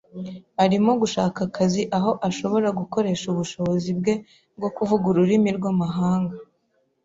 Arimo gushaka akazi aho ashobora gukoresha ubushobozi bwe bwo kuvuga ururimi rwamahanga.